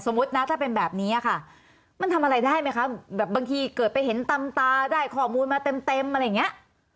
ถ้าเป็นแบบนี้ค่ะมันทำอะไรได้ไหมคะแบบบางทีเกิดไปเห็นตำตาได้ข้อมูลมาเต็มอะไรอย่างนี้